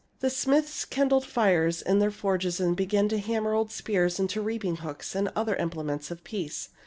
The smiths kindled fires in their forges, and began to hammer old spears into reaping hooks and other implements of peace.